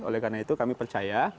oleh karena itu kami percaya